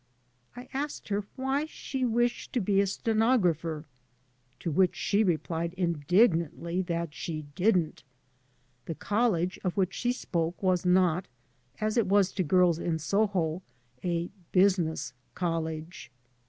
I asked her why she wished to be a stenographer, to which she replied indig nantly that she didn't I The college of which she spoke was not, as it was to girls in Soho, a " business college."